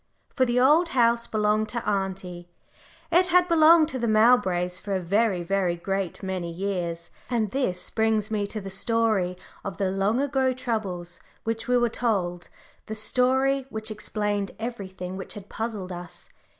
For the Old House belonged to auntie: it had belonged to the Mowbrays for a very, very great many years. And this brings me to the story of the long ago troubles which we were told the story which explained everything which had puzzled us.